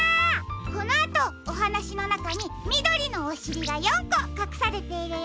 このあとおはなしのなかにみどりのおしりが４こかくされているよ。